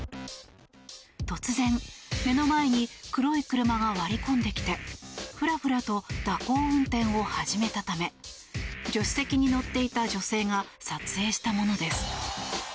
突然、目の前に黒い車が割り込んできてふらふらと蛇行運転を始めたため助手席に乗っていた女性が撮影したものです。